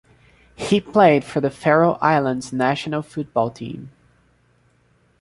He played for the Faroe Islands national football team.